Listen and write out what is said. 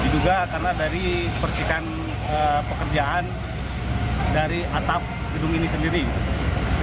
diduga karena dari percikan pekerjaan dari atap gedung ini sendiri